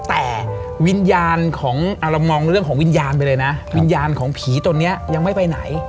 แต่วิญญาณของเรามองเรื่องของวิญญาณไปเลยนะวิญญาณของผีตัวนี้ยังไม่ไปไหน